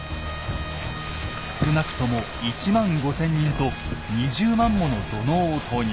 少なくとも１万５，０００人と２０万もの土のうを投入。